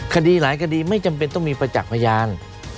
คดีหลายคดีไม่จำเป็นต้องมีประจักษ์พยาน